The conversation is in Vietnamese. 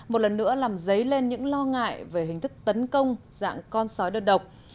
một lần nữa làm dấy lên những lo ngại về hình thức tấn công dạng con sói đơn độc